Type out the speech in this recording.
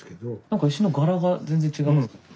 なんか石の柄が全然違いますね。